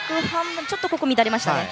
ちょっと乱れましたね。